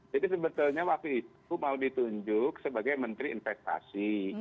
jadi sebetulnya waktu itu mau ditunjuk sebagai menteri investasi